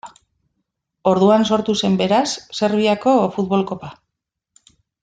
Orduan sortu zen beraz Serbiako futbol kopa.